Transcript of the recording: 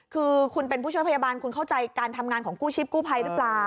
คือคุณเป็นผู้ช่วยพยาบาลคุณเข้าใจการทำงานของกู้ชีพกู้ภัยหรือเปล่า